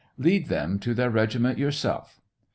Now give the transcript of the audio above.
Lead them to their regiment yourself."